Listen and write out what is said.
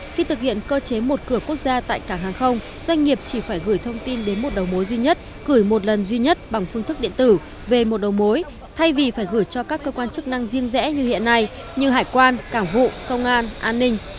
khi thực hiện cơ chế một cửa quốc gia tại cảng hàng không doanh nghiệp chỉ phải gửi thông tin đến một đầu mối duy nhất gửi một lần duy nhất bằng phương thức điện tử về một đầu mối thay vì phải gửi cho các cơ quan chức năng riêng rẽ như hiện nay như hải quan cảng vụ công an an ninh